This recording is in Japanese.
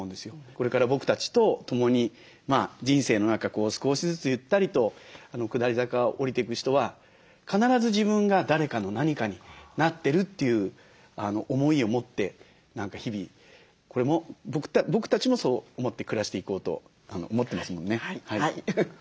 これから僕たちとともに人生の少しずつゆったりと下り坂を下りていく人は必ず自分が誰かの何かになってるという思いを持って日々これも僕たちもそう思って暮らしていこうと思ってますもんね。